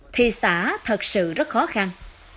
thì xã thật sự rất khó khăn